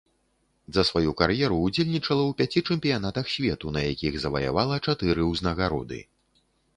За сваю кар'еру ўдзельнічала ў пяці чэмпіянатах свету, на якіх заваявала чатыры ўзнагароды.